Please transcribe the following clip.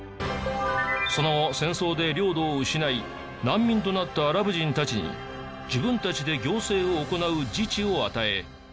その後戦争で領土を失い難民となったアラブ人たちに自分たちで行政を行う自治を与え。